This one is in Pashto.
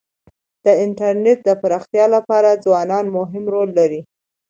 د انټرنيټ د پراختیا لپاره ځوانان مهم رول لري.